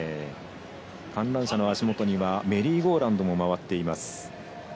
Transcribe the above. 観覧車の足元にはメリーゴーラウンドも回っています。